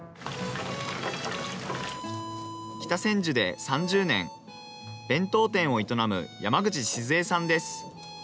北千住で３０年、弁当店を営む山口静江さんです。